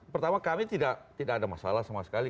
pertama kami tidak ada masalah sama sekali